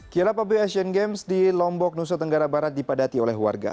kirap asian games di lombok nusa tenggara barat dipadati oleh warga